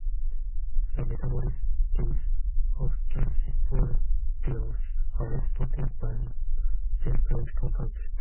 The metabolites of calcipotriol are less potent than the parent compound.